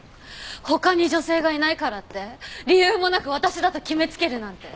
他に女性がいないからって理由もなく私だと決めつけるなんて。